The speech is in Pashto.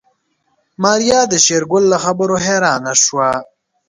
ماريا د شېرګل له خبرو حيرانه شوه.